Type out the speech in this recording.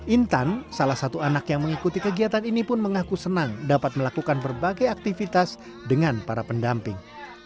intan salah satu anak yang mengikuti kegiatan ini pun mengaku senang dapat melakukan berbagai aktivitas dengan para pendamping